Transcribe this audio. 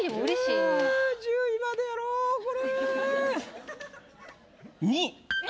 あ１０位までやろこれ。